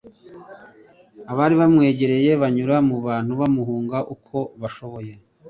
Abari bamwegereye banyura mu bantu bamuhunga uko bashoboye.